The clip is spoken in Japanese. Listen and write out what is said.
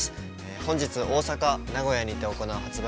本日の大阪・名古屋にて行う発売